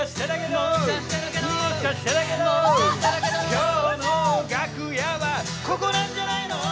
「今日の楽屋はここなんじゃないの」